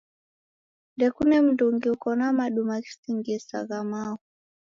Ndekune mndungi uko na maduma ghisingie sa gha mao.